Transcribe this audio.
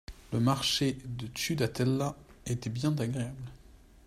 Le marché de Ciutadella était bien agréable.